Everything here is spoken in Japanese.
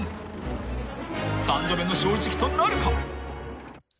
［３度目の正直となるか］